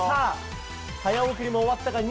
早送りも終わったか？